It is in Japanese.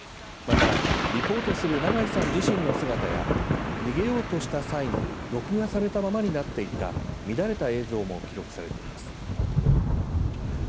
また、リポートする長井さん自身の姿や逃げようとした際に録画されたままになっていた乱れた映像も記録されています。